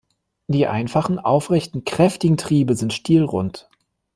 Die einfachen, aufrechten, kräftigen Triebe sind stielrund.